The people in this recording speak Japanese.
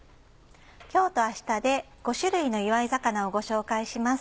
今日と明日で５種類の祝い肴をご紹介します。